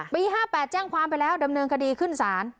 ๕๘แจ้งความไปแล้วดำเนินคดีขึ้นศาล